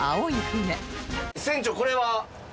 船長これは？